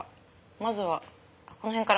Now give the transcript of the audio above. まずはこの辺から。